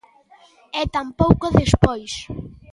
E tampouco despois.